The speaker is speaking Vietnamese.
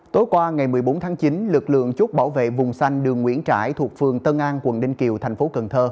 tối qua ngày một mươi bốn tháng chín lực lượng chốt bảo vệ vùng xanh đường nguyễn trãi thuộc phường tân an quận ninh kiều thành phố cần thơ